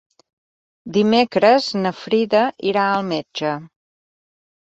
Dimecres na Frida irà al metge.